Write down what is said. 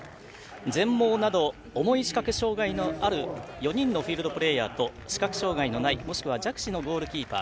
全盲など重い視覚障がいのある４人のフィールドプレーヤーと視覚障がいのないもしくは弱視のゴールキーパー